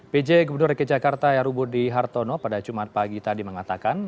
pj gubernur rki jakarta rubudi hartono pada jumat pagi tadi mengatakan